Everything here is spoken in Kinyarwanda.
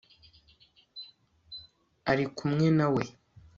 arikumwe na we